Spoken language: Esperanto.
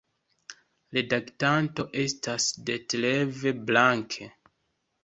Redaktanto estas Detlev Blanke.